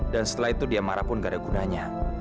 dan setelah itu dia marah pun gak ada gunanya